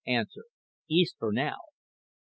EAST FOR NOW Q.